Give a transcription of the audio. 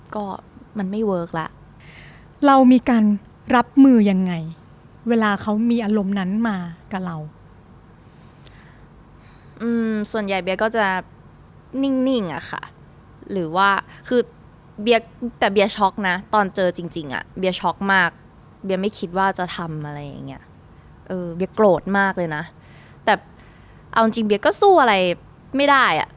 คำอะไรอย่างเงี้ยเขากรโหตมากเลยนะแต่เอาจริงเเบี้ยก็สู้อะไรไม่ได้อ่ะใน